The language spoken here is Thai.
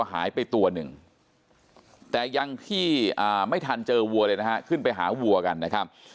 หายไปตัวหนึ่งแต่ยังที่ไม่ทันเจอวัวเลยนะฮะขึ้นไปหาวัวกันนะครับ